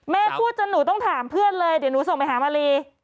พูดจนหนูต้องถามเพื่อนเลยเดี๋ยวหนูส่งไปหามารี